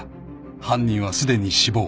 ［犯人はすでに死亡］